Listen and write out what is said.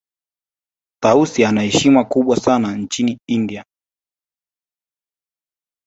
tausi ana heshima kubwa sana nchini india